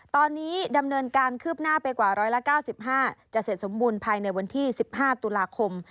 ตอนนี้ดำเนินการคืบหน้าไปกว่า๑๙๕จะเสร็จสมบูรณ์ภายในวันที่๑๕ตุลาคม